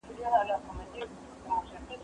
زه مخکي ليک لوستی و؟